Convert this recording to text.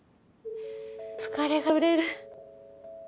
疲れが取れる。